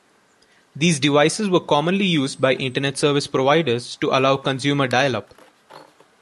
These devices were commonly used by Internet service providers to allow consumer dial-up.